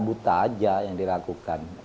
buta saja yang dilakukan